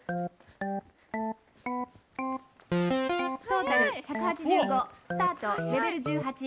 「トータル１８５スタートレベル１８」。